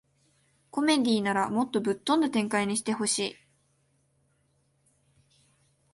コメディならもっとぶっ飛んだ展開にしてほしい